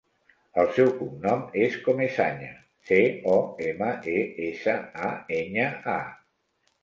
El seu cognom és Comesaña: ce, o, ema, e, essa, a, enya, a.